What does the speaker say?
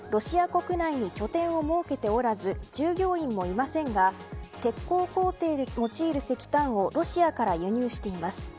タタ・スチールは、ロシア国内に拠点を設けておらず従業員もいませんが製鋼工程で用いる石炭をロシアから輸入しています。